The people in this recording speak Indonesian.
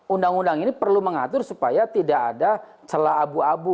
undang undang ini perlu mengatur supaya tidak ada celah abu abu